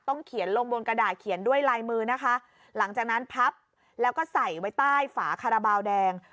เขียนลงบนกระดาษเขียนด้วยลายมือนะคะหลังจากนั้นพับแล้วก็ใส่ไว้ใต้ฝาคาราบาลแดง